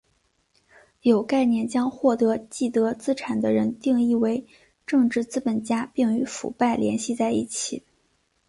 有观念将获得既得资产的人定义为政治资本家并与腐败联系在一起。